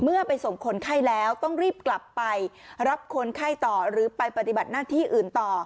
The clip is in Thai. ไปส่งคนไข้แล้วต้องรีบกลับไปรับคนไข้ต่อหรือไปปฏิบัติหน้าที่อื่นต่อ